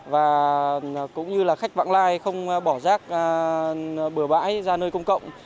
và cũng như là khách vãng lai không bỏ rác bừa bãi ra nơi công cộng